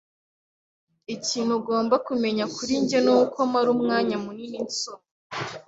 Ikintu ugomba kumenya kuri njye nuko mara umwanya munini nsoma.